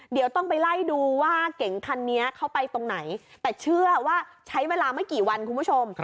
เดี๋ยวต้องไปไล่ดูว่าเก๋งคันนี้เข้าไปตรงไหนแต่เชื่อว่าใช้เวลาไม่กี่วันคุณผู้ชม